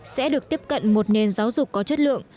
sẽ được tiếp cận một nền giáo dục có chất lượng